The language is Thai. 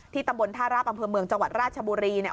ตำบลท่าราบอำเภอเมืองจังหวัดราชบุรีเนี่ย